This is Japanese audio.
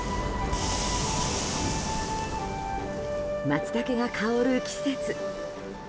マツタケが香る季節。